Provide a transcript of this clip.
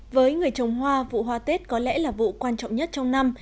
với người trồng hoa vụ hoa tết có lẽ là vụ quan trọng nhất trong năm